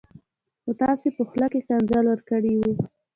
خو تاسي په خوله کي ښکنځل ورکړي و